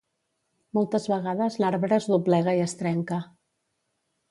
Moltes vegades l'arbre es doblega i es trenca.